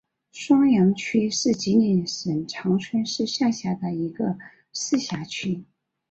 双阳区是吉林省长春市下辖的一个市辖区。